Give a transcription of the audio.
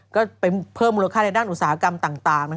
ก็ไปเพิ่มมูลค่าในด้านอุตสาหกรรมต่าง